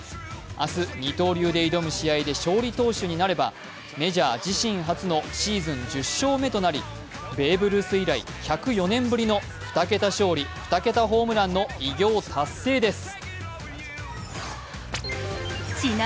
明日二刀流で挑む試合で勝利投手になればメジャー自身初のシーズン１０勝目となりベーブ・ルース以来、１０４年ぶりの２桁勝利、２桁ホームランの偉業達成です。